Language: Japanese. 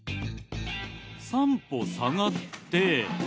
３歩下がって。